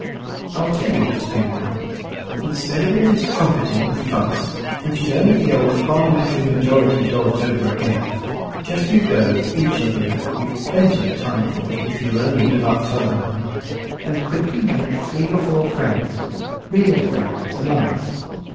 I'll tell you what to do now: instead of all this trumpeting and fuss, which is only the old parliamentary majority dodge over again, just you go, each of you (you've plenty of time for it, if you'll only give up t'other line), and quietly make three or four friends real friends among us.